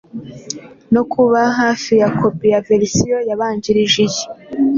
no kuba hafi ya kopi ya verisiyo yabanjirije iyi